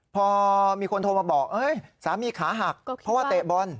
พอมีคนโทรมาบอกสามีขาหักเพราะว่าเตะบอล